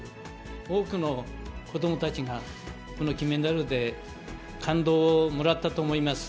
多くの子どもたちが、この金メダルで感動をもらったと思います。